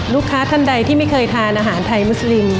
ท่านใดที่ไม่เคยทานอาหารไทยมุสลิม